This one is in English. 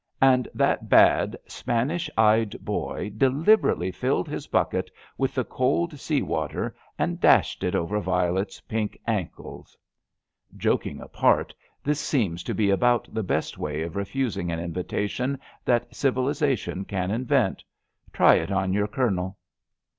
And that bad, Spanish eyed boy deliberately filled his bucket with the cold sea water and dashed it over Violet ^s pink ankles. (Joking apart, this seems to be about the best way of refusing an invitation that civilisation can invent. Try it on your Colonel.)